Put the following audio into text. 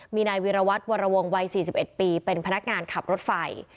มีนายวิรวัตรวรวงวัย๔๑ปีเป็นพนักงานขับรถไฟ